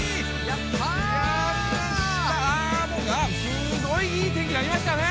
すごいいい天気になりましたね！